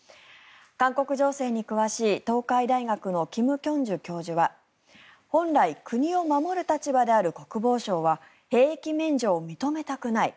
韓国情勢に詳しい東海大学の金慶珠教授は本来、国を守る立場である国防省は兵役免除を認めたくない。